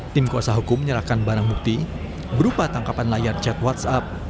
tim kuasa hukum menyerahkan barang bukti berupa tangkapan layar chat whatsapp